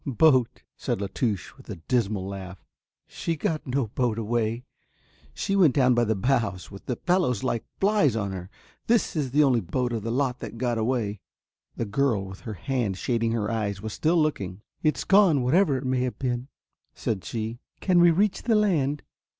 "Boat," said La Touche with a dismal laugh. "She got no boat away, she went down by the bows with the fellows like flies on her, this is the only boat of the lot that got away." The girl with her hand shading her eyes was still looking. "It's gone, whatever it may have been," said she, "can we reach the land?"